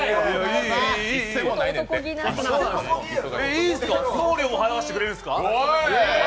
いいっすよ、送料も払わせてもらえるんですか？